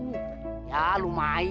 tapi empang pak haji coba dari sini